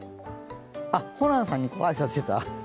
あ、ホランさんにご挨拶してた？